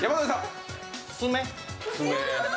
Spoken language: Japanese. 爪？